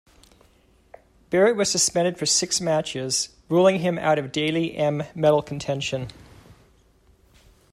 Barrett was suspended for six matches, ruling him out of Dally M Medal contention.